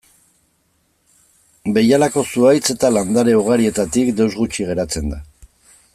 Behialako zuhaitz eta landare ugarietatik deus gutxi geratzen da.